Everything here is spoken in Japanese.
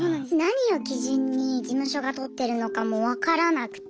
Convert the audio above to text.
何を基準に事務所が採ってるのかも分からなくて。